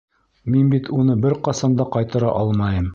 Мин бит уны бер ҡасан да ҡайтара алмайым.